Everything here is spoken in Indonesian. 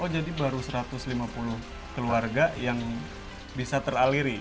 oh jadi baru satu ratus lima puluh keluarga yang bisa teraliri